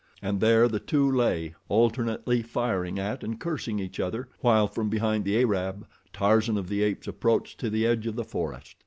And there the two lay, alternately firing at and cursing each other, while from behind the Arab, Tarzan of the Apes approached to the edge of the forest.